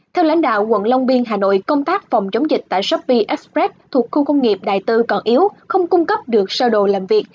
theo lãnh đạo quận long biên hà nội công tác phòng chống dịch tại shopee express thuộc khu công nghiệp đại tư còn yếu không cung cấp được sơ đồ làm việc